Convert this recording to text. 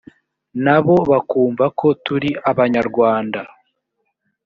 nabo bakumva ko turi abanyamwanda